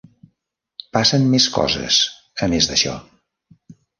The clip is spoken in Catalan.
Passen més coses, a més d'això.